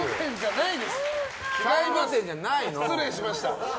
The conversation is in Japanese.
失礼しました。